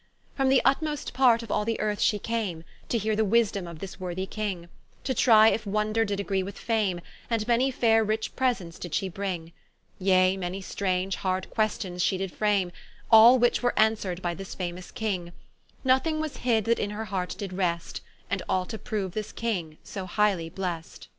From th'vtmost part of all the Earth shee came, To heare the Wisdom of this worthy King; To trie if Wonder did agree with Fame, And many faire rich presents did she bring: Yea many strange hard questions did shee frame, All which were answer'd by this famous King: Nothing was hid that in her heart did rest, And all to prooue this King so highly blest.